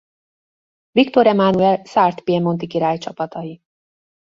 Viktor Emánuel szárd–piemonti király csapatai.